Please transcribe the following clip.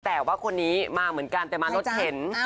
แต่ว่าคนนี้มาเหมือนกันแต่มารถเข็น